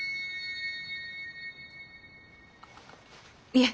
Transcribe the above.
いえ。